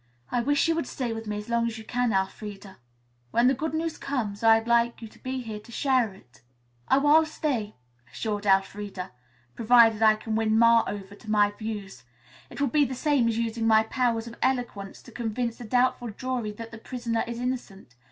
"I wish you would stay with me as long as you can, Elfreda. When the good news comes, I'd like you to be here to share it." "Oh, I'll stay," assured Elfreda, "provided I can win Ma over to my views. It will be the same as using my powers of eloquence to convince a doubtful jury that the prisoner is innocent.